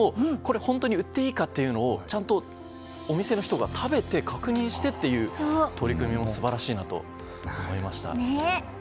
本当に売っていいかというのをちゃんと、お店の人が食べて確認してという取り組みも素晴らしいなと思いました。